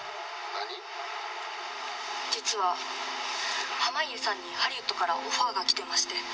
「実は濱家さんにハリウッドからオファーが来てまして」